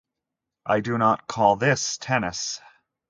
I do not call this tennis.